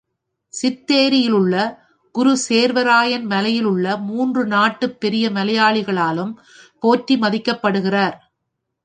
சித்தேரியிலுள்ள குரு சேர்வராயன் மலையிலுள்ள மூன்று நாட்டுப் பெரிய மலையாளிகளாலும் போற்றி மதிக்கப்படுகிறார்.